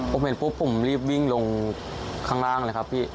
ผมเห็นปุ๊บผมรีบวิ่งลงข้างล่างเลยครับพี่